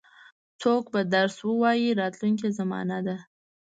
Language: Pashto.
څوک به درس ووایي راتلونکې زمانه ده.